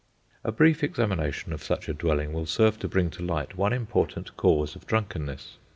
A brief examination of such a dwelling will serve to bring to light one important cause of drunkenness.